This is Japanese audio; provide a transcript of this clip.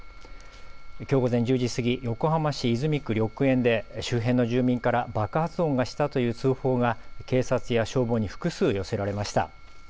きょう午前１０時過ぎ、横浜市泉区緑園で周辺の住民から爆発音がしたという通報が警察や消防に複数、寄せられました。